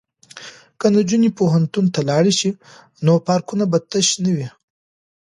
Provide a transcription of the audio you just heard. که نجونې پوهنتون ته لاړې شي نو پارکونه به تش نه وي.